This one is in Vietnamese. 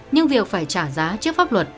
nhưng việc phải trả giá trước pháp luật